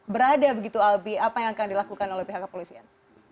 berada begitu albi apa yang akan dilakukan oleh pihak kepolisian